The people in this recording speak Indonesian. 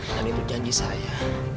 dan itu janji saya